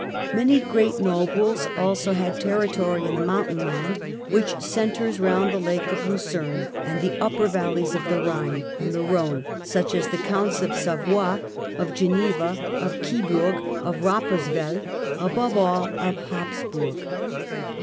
Many great nobles also had territory in the mountain land, which centres round the Lake of Lucerne and the upper valleys of the Ehine and the Rhone ; such as the Counts of Savoy, of Geneva, of Kiburg, of Rapperswell, above all of Habsburg.